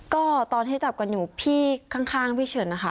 ก็ตอนให้จับกันอยู่พี่ข้างพี่เฉินนะคะ